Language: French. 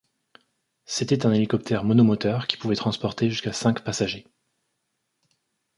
C'était un hélicoptère monomoteur qui pouvait transporter jusqu'à cinq passagers.